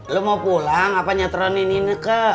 lo mau pulang apa nyateran ini neke